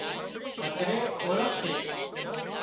هڌري اوۯکشي